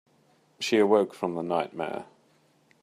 She awoke from the nightmare.